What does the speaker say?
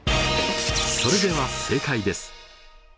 それでは正解です。